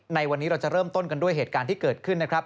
ในวันนี้เราจะเริ่มต้นกันด้วยเหตุการณ์ที่เกิดขึ้นนะครับ